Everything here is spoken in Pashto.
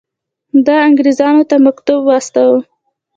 ده انګرېزانو ته مکتوب واستاوه.